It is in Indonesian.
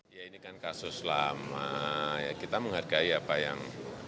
ya ini kan kasus lama ya kita menghargai apa yang